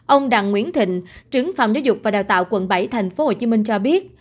ông đặng nguyễn thịnh trưởng phòng giáo dục và đào tạo quận bảy tp hcm cho biết